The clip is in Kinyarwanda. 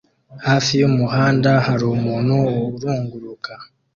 Hafi y'umuhanda harumuntu urunguruka